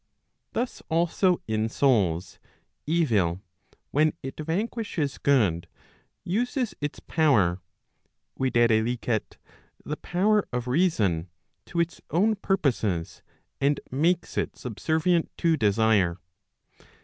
Thus also in souls, evil when it vanquishes good, uses its power, viz. the power of reason, to its own purposes, and makes it subservient to desire.